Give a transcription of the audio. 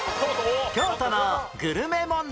京都のグルメ問題